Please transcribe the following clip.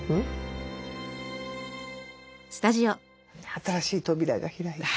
新しい扉が開いて。